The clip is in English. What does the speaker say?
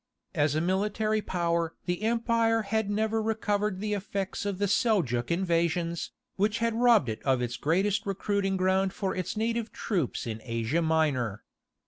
As a military power the empire had never recovered the effects of the Seljouk invasions, which had robbed it of its great recruiting ground for its native troops in Asia Minor.